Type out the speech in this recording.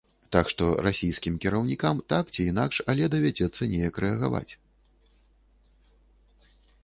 Так што расійскім кіраўнікам так ці інакш, але давядзецца неяк рэагаваць.